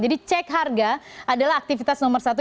jadi cek harga adalah aktivitas nomor satu